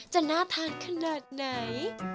จะน่าทานขนาดไหน